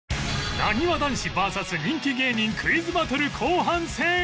なにわ男子 ＶＳ 人気芸人クイズバトル後半戦！